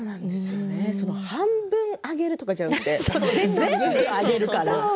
半分あげるとかじゃなくて全部あげるから。